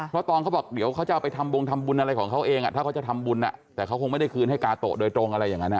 เพราะตอนเขาบอกเดี๋ยวเขาจะเอาไปทำบงทำบุญอะไรของเขาเองถ้าเขาจะทำบุญแต่เขาคงไม่ได้คืนให้กาโตะโดยตรงอะไรอย่างนั้น